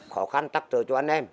khó khăn tắc trở cho anh em